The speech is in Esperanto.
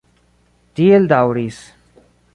Tiel daŭris.